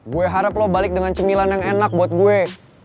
gue harap lo balik dengan cemilan yang enak buat gue